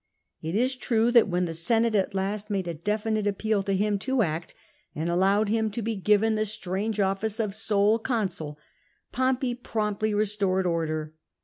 It is true that when the Senate at last made a definite appeal to him to act, and allowed him to be given the strange office of sole consul, Pompey promptly restored order.